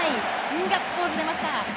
ガッツポーズ出ました！